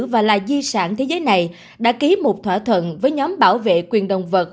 và là di sản thế giới này đã ký một thỏa thuận với nhóm bảo vệ quyền động vật